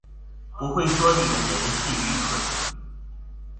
不會說理的人是愚蠢